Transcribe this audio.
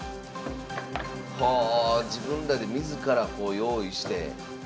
はあ自分らで自らこう用意して。